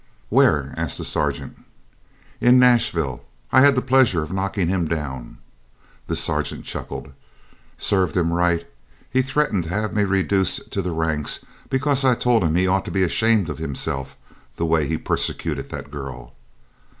"Where?" asked the Sergeant. "In Nashville. I had the pleasure of knocking him down." The Sergeant chuckled. "Served him right. He threatened to have me reduced to the ranks because I told him he ought to be ashamed of himself, the way he persecuted that girl."